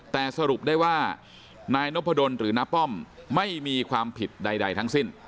แต่สรุปได้ว่านายนพดลหรือน้าป้อมไม่มีความผิดใดทั้งสิ้น